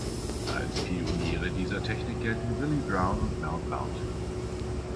Als Pioniere dieser Technik gelten Willie Brown und Mel Blount.